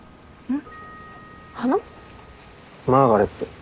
ん？